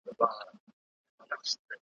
پلار یې وویل شکوي چي خپل سرونه `